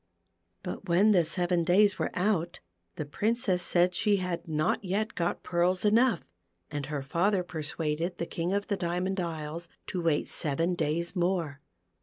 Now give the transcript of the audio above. But when the seven days were out, the Princess said she had not yet got pearls enough, and her father persuaded the King of the Diamond Isles to wait seven days more.